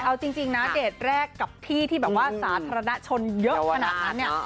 เอาจริงนะเดทแรกกับพี่ที่แบบว่าสาธารณชนเยอะขนาดนั้นเนี่ย